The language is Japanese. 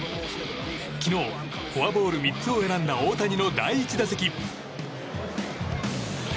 昨日、フォアボール３つを選んだ大谷の第１打席。